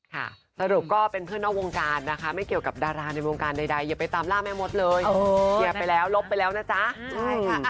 สรุปก็เป็นเพื่อนนอกวงการนะคะไม่เกี่ยวกับดาราในวงการใดอย่าไปตามล่าแม่มดเลยเคลียร์ไปแล้วลบไปแล้วนะจ๊ะใช่ค่ะ